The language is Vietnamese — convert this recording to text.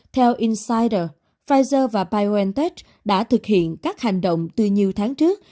theo insider pfizer và biontech đã thực hiện các hành động từ nhiều tháng trước